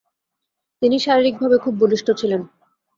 তিনি শারীরিকভাবে খুব বলিষ্ঠ ছিলেন।